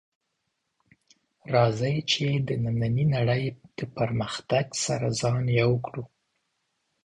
راځئ چې د نننۍ نړۍ د پرمختګ سره ځان یو کړو